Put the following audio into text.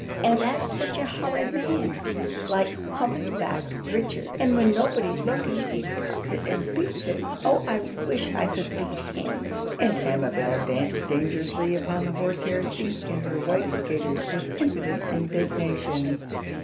And that's such a horrid man, like hump backed Richard. And when nobody's looking, he tugs it, and beats it. Oh, I wish I could beat him!" and Amabel danced dangerously upon the horsehair seat in her white gaiters with impotent indignation.